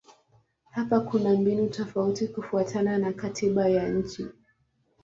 Hapa kuna mbinu tofauti kufuatana na katiba ya nchi.